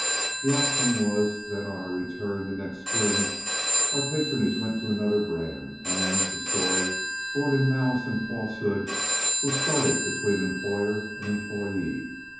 The outcome was that on our return the next spring our patronage went to another bran, and the story, born in malice and falsehood, was started between employer and employee.